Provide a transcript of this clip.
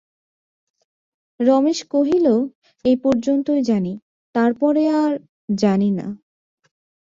রমেশ কহিল, এই পর্যন্তই জানি, তার পরে আর জানি না।